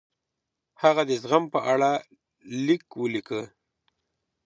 هغه د زغم په اړه لیک ولیکه.